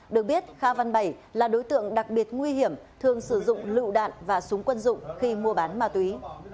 được biết kha văn bảy là đối tượng đặc biệt nguy hiểm thường sử dụng lựu đạn và súng quân dụng khi mua bán ma túy